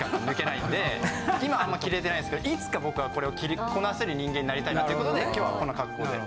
今はあんま着れてないんですけどいつか僕はこれを着こなせる人間になりたいなということで今日はこの格好で。